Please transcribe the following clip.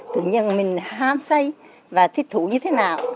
tự nhiên mình ham say và thích thú như thế nào